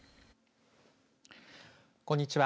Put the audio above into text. こんにちは。